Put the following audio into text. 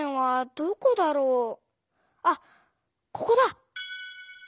あここだ！